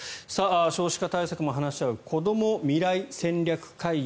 少子化対策を話し合うこども未来戦略会議。